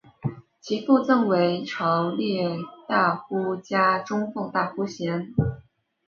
其父赠为朝列大夫加中奉大夫衔。